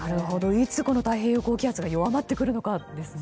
いつ太平洋高気圧が弱まってくるかですね。